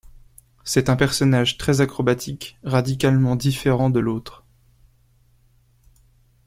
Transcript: C'est un personnage très acrobatique, radicalement différent de l'autre.